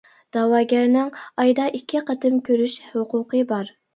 دەۋاگەرنىڭ ئايدا ئىككى قېتىم كۆرۈش ھوقۇقى بار.